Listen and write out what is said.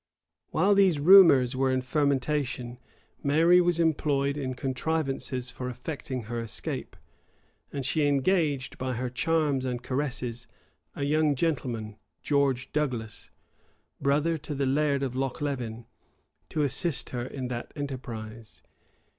{1568.} While these humors were in fermentation, Mary was employed in contrivances for effecting her escape; and she engaged, by her charms and caresses, a young gentleman, George Douglas, brother to the laird of Lochlevin, to assist her in that enterprise.